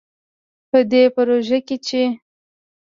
په دې پروژه کې چې